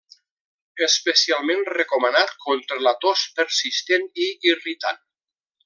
Especialment recomanat contra la tos persistent i irritant.